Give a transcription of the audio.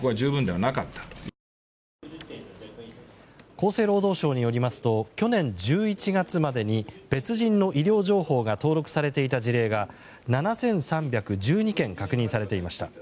厚生労働省によりますと去年１１月までに別人の医療情報が登録されていた事例が７３１２件確認されていました。